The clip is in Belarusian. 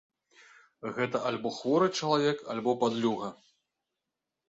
Гэта альбо хворы чалавек, альбо падлюга.